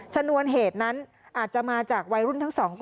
ชนวนเหตุนั้นอาจจะมาจากวัยรุ่นทั้งสองกลุ่ม